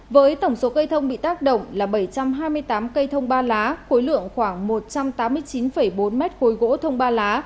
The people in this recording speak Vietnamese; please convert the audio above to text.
với tổng số cây thông bị tác động là bảy trăm hai mươi tám cây thông ba lá khối lượng khoảng một trăm tám mươi chín bốn mét khối gỗ thông ba lá